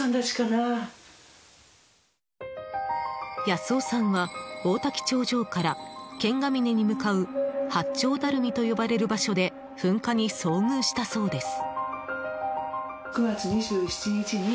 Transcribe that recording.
保男さんは王滝頂上から剣ヶ峰に向かう八丁ダルミと呼ばれる場所で噴火に遭遇したそうです。